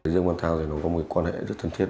dương quan thao này nó có một quan hệ rất thân thiết